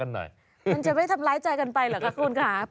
มันจะไม่ทำร้ายใจกันไปเหรอคะคุณค่ะ